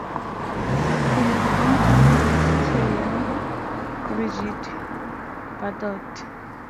She has been compared to young Brigitte Bardot.